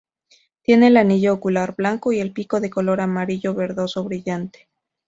Tiene el anillo ocular blanco y el pico de color amarillo verdoso brillante.